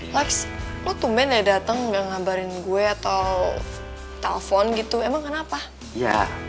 lex lu tumben ya dateng ngabarin gue atau telepon gitu emang kenapa ya